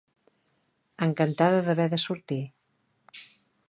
Encantada d'haver de sortir.